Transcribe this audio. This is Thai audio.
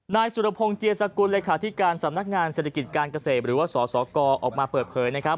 นายสุรพงศ์เจียสกุลเลขาธิการสำนักงานเศรษฐกิจการเกษตรหรือว่าสสกออกมาเปิดเผยนะครับ